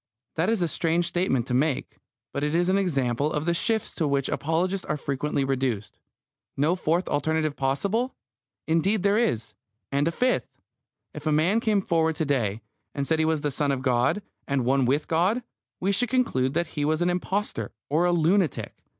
That is a strange statement to make, but it is an example of the shifts to which apologists are frequently reduced. No fourth alternative possible! Indeed there is; and a fifth! If a man came forward to day, and said he was the Son of God, and one with God, we should conclude that he was an impostor or a lunatic.